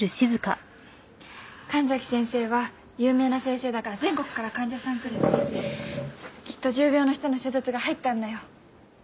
神崎先生は有名な先生だから全国から患者さん来るしきっと重病の人の手術が入ったんだよ。